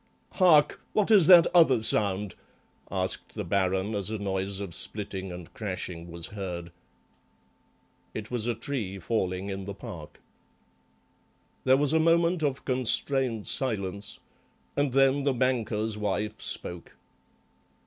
"Hark! What is that other sound?" asked the Baron, as a noise of splitting and crashing was heard. It was a tree falling in the park. There was a moment of constrained silence, and then the banker's wife spoke.